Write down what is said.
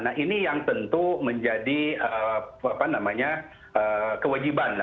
nah ini yang tentu menjadi apa namanya kewajiban